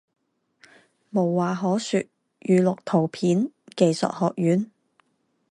无话可说语录图片技术学院